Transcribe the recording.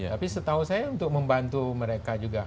tapi setahu saya untuk membantu mereka juga